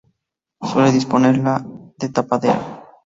Suele disponer de tapadera.